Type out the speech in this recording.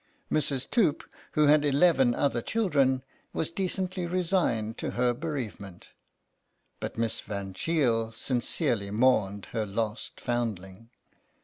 Mrs. Toop, who had eleven other children, was decently resigned to her bereavement, but Miss Van Cheele sincerely mourned her lost foundling.